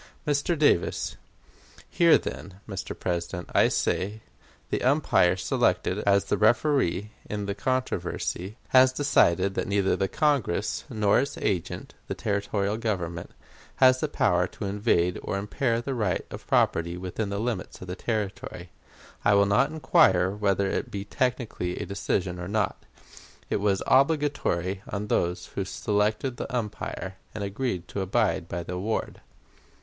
Mr. Davis: Here, then, Mr. President, I say the umpire selected as the referee in the controversy has decided that neither the Congress nor its agent, the territorial government, has the power to invade or impair the right of property within the limits of a Territory. I will not inquire whether it be technically a decision or not. It was obligatory on those who selected the umpire and agreed to abide by the award.